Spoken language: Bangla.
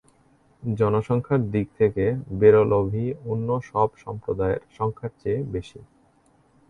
জনসংখ্যার দিক থেকে বেরলভী অন্য সব সম্প্রদায়ের সংখ্যার চেয়ে বেশি।